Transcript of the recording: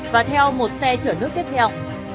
và theo một xe chở nước tiếp theo